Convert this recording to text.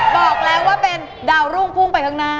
บอกแล้วว่าเป็นดาวรุ่งพุ่งไปข้างหน้า